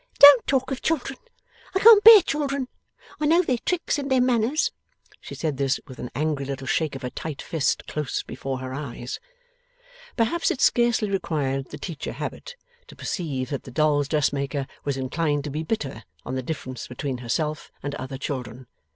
'Don't talk of children. I can't bear children. I know their tricks and their manners.' She said this with an angry little shake of her tight fist close before her eyes. Perhaps it scarcely required the teacher habit, to perceive that the doll's dressmaker was inclined to be bitter on the difference between herself and other children.